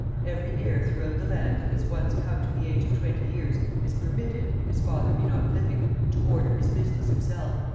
Every heir throughout the land that has once come to the age of twenty years is permitted, if his father be not living, to order his business himself.